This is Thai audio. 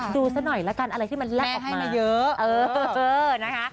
ดูซะหน่อยละกันอะไรที่มันแลกออกให้มาเยอะนะคะ